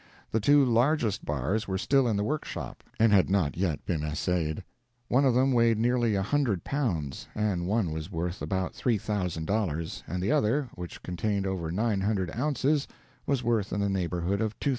The two largest bars were still in the workshop, and had not yet been assayed; one of them weighed nearly a hundred pounds and 1 was worth about $3,000, and the other, which contained over 900 ounces, was worth in the neighborhood of $2,000.